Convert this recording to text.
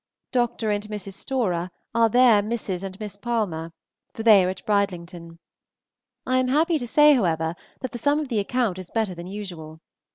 Dr. and Mrs. Storer are their Mrs. and Miss Palmer for they are at Bridlington. I am happy to say, however, that the sum of the account is better than usual.